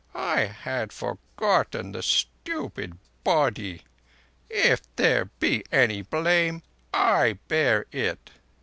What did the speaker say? I had forgotten the stupid Body. If there be any blame, I bear it.